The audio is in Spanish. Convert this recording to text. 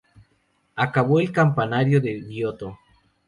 Acabó el campanario de Giotto.